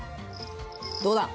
どうだ！